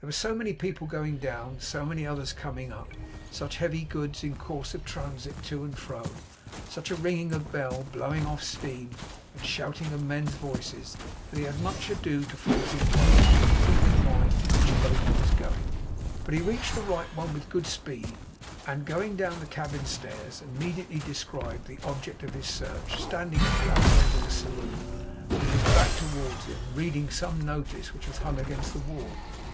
There were so many people going down, so many others coming up, such heavy goods in course of transit to and fro, such a ringing of bell, blowing off of steam, and shouting of men's voices, that he had much ado to force his way, or keep in mind to which boat he was going. But he reached the right one with good speed, and going down the cabin stairs immediately, described the object of his search standing at the upper end of the saloon, with his back towards him, reading some notice which was hung against the wall.